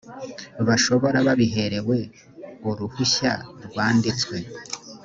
bashobora babiherewe uruhushya rwanditswe